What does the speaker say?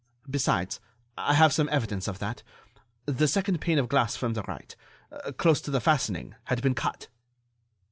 Besides, I have some evidence of that: the second pane of glass from the right—close to the fastening—had been cut."